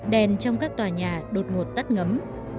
đèn trong các tòa nhà đột ngột tắt ngấm